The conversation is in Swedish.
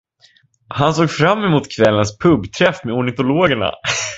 Han såg fram emot kvällens pub-träff med ornitologerna.